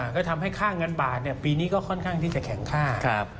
ก็ทำให้ค่าเงินบาทปีนี้ก็ค่อนข้างที่จะแข็งค่า